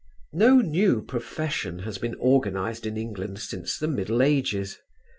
No new profession has been organized in England since the Middle Ages.